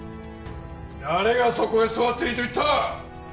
誰がそこへ座っていいと言った！